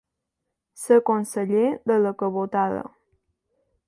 Ser conseller de la cabotada.